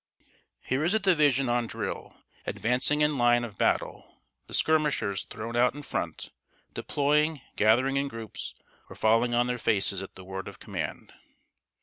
] Here is a division on drill, advancing in line of battle, the skirmishers thrown out in front, deploying, gathering in groups, or falling on their faces at the word of command.